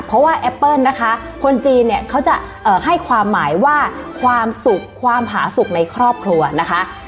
เพราะว่าแอปเปิ้ลนะคะคนจีนเนี่ยเขาจะให้ความหมายว่าความสุขความผาสุขในครอบครัวนะคะ